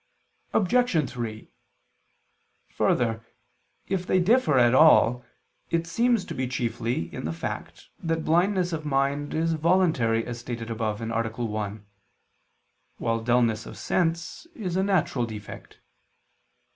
Obj. 3: Further, if they differ at all, it seems to be chiefly in the fact that blindness of mind is voluntary, as stated above (A. 1), while dulness of sense is a natural defect.